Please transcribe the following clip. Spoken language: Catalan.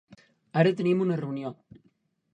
Ara tenim una reunió.